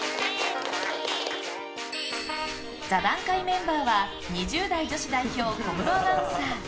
座談会メンバーは２０代女子代表小室アナウンサー。